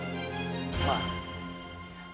ma sebenarnya apa yang dikatakan alea itu ada benarnya